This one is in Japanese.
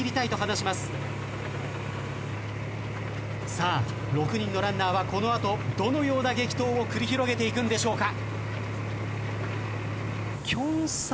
さあ６人のランナーはこの後どのような激闘を繰り広げていくんでしょうか？